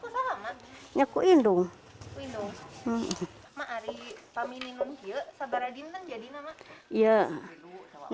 pada saat kamu menenun apakah kamu bisa menenun